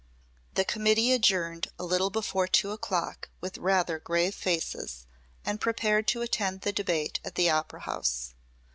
The committee adjourned a little before two o'clock with rather grave faces, and prepared to attend the debate at the Opera House.